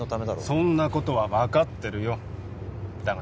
そんなことは分かってるよだが